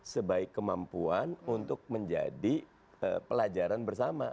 sebaik kemampuan untuk menjadi pelajaran bersama